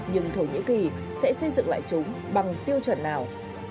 nhưng thổ nhĩ kỳ sẽ xây dựng lại chúng bằng tiêu chuẩn nào